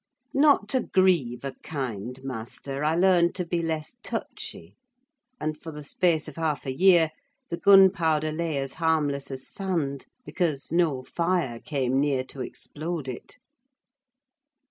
Not to grieve a kind master, I learned to be less touchy; and, for the space of half a year, the gunpowder lay as harmless as sand, because no fire came near to explode it.